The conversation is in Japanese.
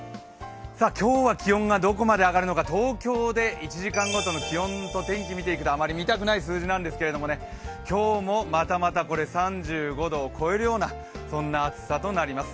今日は気温がどこまで上がるのか、東京で１時間ごとの気温を見ていくとあまり見たくない数字なんですけどね、今日もまたまた３５度を超えるような暑さとなります。